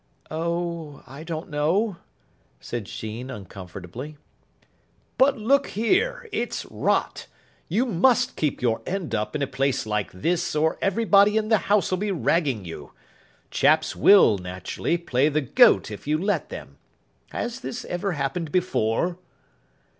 "Oh, I don't know," said Sheen uncomfortably. "But, look here, it's rot. You must keep your end up in a place like this, or everybody in the house'll be ragging you. Chaps will, naturally, play the goat if you let them. Has this ever happened before?"